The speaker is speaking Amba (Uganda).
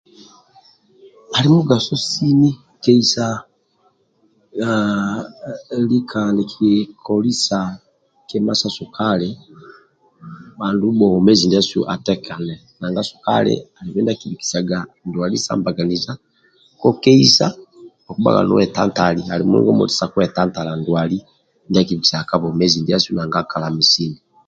Ali mugaso sini keisa aah lika nikikolisa kima sa sukali andu bwomezi ndiasu atekane nanga sukali alibe ndia akibikisaga ndwali sa mbaganiza kokeisa, okubhaga niwetantali ali mulingo moti sa kwetantala ndwali ndia akibikisaga ka bwomezi ndiasu nanga akalami sini.